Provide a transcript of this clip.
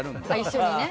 一緒にね。